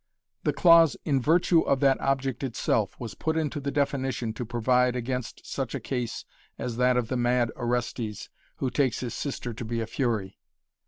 The clause "in virtue of that object itself" was put into the definition to provide against such a case as that of the mad Orestes, who takes his sister to be a Fury.